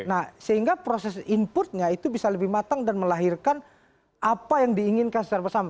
nah sehingga proses inputnya itu bisa lebih matang dan melahirkan apa yang diinginkan secara bersama